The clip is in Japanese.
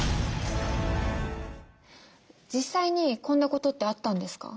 実際にこんなことってあったんですか？